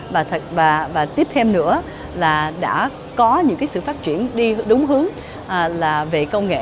và tiếp thêm nữa là đã có những sự phát triển đi đúng hướng là về công nghệ